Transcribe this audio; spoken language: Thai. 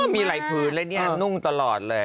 มีไหล่พื้นอะไรอย่างนี้นุ่งตลอดเลย